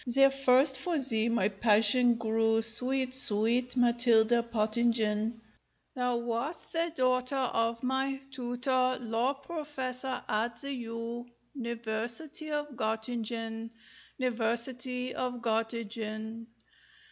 There first for thee my passion grew, Sweet, sweet Matilda Pottingen! Thou wast the daughter of my Tu tor, law professor at the U niversity of Gottingen, niversity of Gottingen.